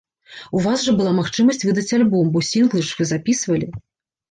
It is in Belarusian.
У вас жа была магчымасць выдаць альбом, бо сінглы ж вы запісвалі.